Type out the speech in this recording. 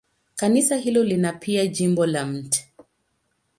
Kanisa hilo lina pia jimbo la Mt.